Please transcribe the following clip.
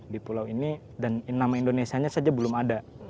di pulau ini dan nama indonesia saja belum ada